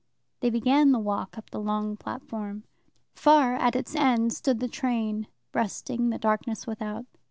They began the walk up the long platform. Far at its end stood the train, breasting the darkness without.